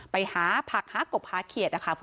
เพราะพ่อเชื่อกับจ้างหักขาวโพด